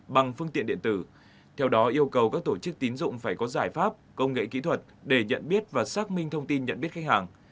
bằng phương tiện điện tử theo đó yêu cầu các tổ chức tín dụng phải có giải pháp công nghệ kỹ thuật để nhận biết và xác minh thông tin nhận biết khách hàng